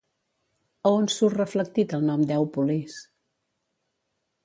A on surt reflectit el nom d'Èupolis?